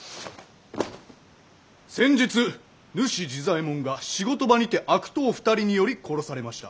先日塗師・治左衛門が仕事場にて悪党２人により殺されました。